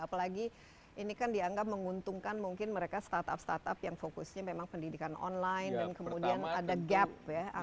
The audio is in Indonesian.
apalagi ini kan dianggap menguntungkan mungkin mereka startup startup yang fokusnya memang pendidikan online dan kemudian ada gap ya